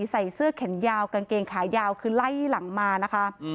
ใส่เสื้อแขนยาวกางเกงขายาวคือไล่หลังมานะคะ